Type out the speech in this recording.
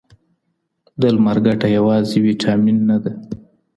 د لمر ګټه یوازې ویټامن نه ده.